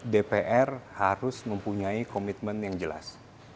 dpr harus mempunyai komitmen yang jelas